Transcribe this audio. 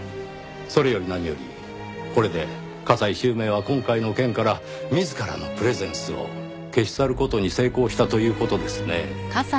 それより何よりこれで加西周明は今回の件から自らのプレゼンスを消し去る事に成功したという事ですねぇ。